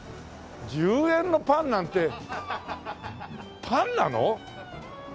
１０円のパンなんてパンなの？